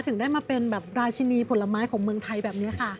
ถึงได้มาเป็นแบบราชินีผลไม้ของเมืองไทยแบบนี้ค่ะ